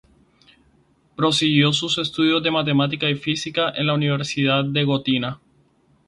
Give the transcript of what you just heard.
Prosiguió sus estudios de matemática y física en la Universidad de Gotinga.